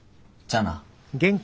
じゃあな。え？